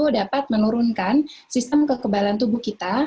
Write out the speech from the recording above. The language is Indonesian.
dapat menurunkan sistem kekebalan tubuh kita